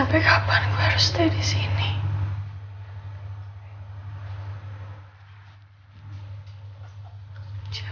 gue dari mana lo dari mana